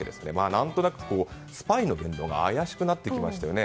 何となくスパイの言動が怪しくなってきましたよね。